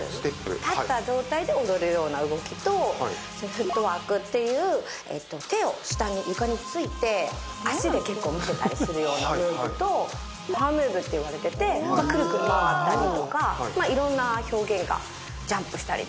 立った状態で踊るような動きとフットワークっていう手を床に付いて、足で見せたりするようなムーブとパワームーブって言われててくるくる回ったりとかいろんな表現がジャンプしたり。